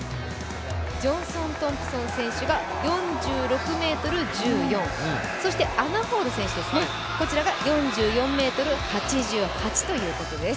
ジョンソン・トンプソン選手が４６ｍ１４アナ・ホール選手が４４ｍ８８ということです。